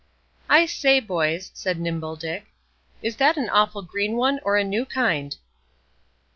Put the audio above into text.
"I say, boys," said Nimble Dick, "is that an awful green one, or a new kind?"